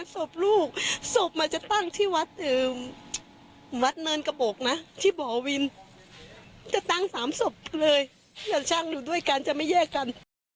สบลูกสบมันจะตั้งที่วัดเมินกระโบกนะที่บ่อวินจะตั้งสามสบเลยอย่างนี้ช่างอยู่ด้วยกันจะไม่แยกกัน